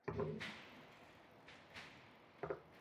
কখনও কেউ জুনি কে জিজ্ঞাসাই করে নি।